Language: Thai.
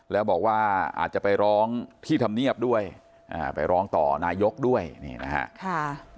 แล้วบอกว่าอาจจะไปร้องที่ธรรมเนียบด้วยไปร้องต่อนายกด้วยนี่นะฮะ